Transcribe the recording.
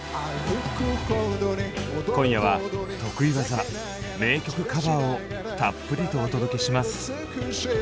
今夜は得意技名曲カバーをたっぷりとお届けします。